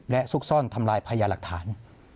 และซุกซ่อนทำลายพญาหลักฐาน